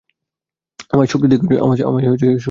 আমায় শক্তি দে, গুজ।